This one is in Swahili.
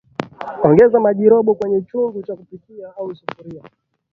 Ongeza maji robo kwenye chungu cha kupikia au sufuria